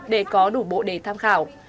để có đủ bộ đề tham khảo